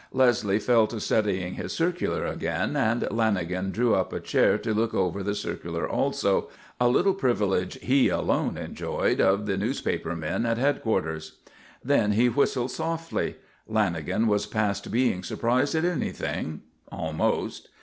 Leslie fell to studying his circular again and Lanagan drew up a chair to look over the circular also, a little privilege he alone enjoyed of the newspaper men at headquarters. Then he whistled softly; Lanagan was past being surprised at anything almost.